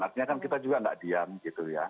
artinya kan kita juga nggak diam gitu ya